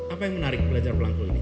apa yang menarik belajar pelangkul ini